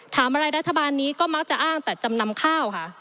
ถามอะไรรัฐบาลนี้ก็มักจะอ้างแต่จำนำข้าวค่ะ